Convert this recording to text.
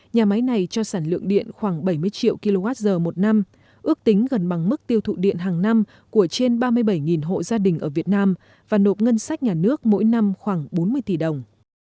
nhà máy này cho sản lượng điện khoảng bảy mươi triệu kwh một năm ước tính gần bằng mức tiêu thụ điện hàng năm của trên ba mươi bảy hộ gia đình ở việt nam và nộp ngân sách nhà nước mỗi năm khoảng bốn mươi tỷ đồng